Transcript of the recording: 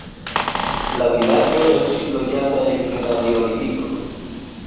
La vilaĝo estis loĝata ekde la neolitiko.